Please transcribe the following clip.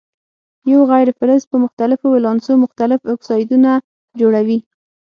یو غیر فلز په مختلفو ولانسو مختلف اکسایدونه جوړوي.